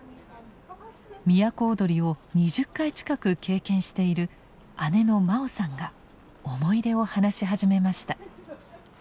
都をどりを２０回近く経験している姉の真生さんが思い出を話し始めました。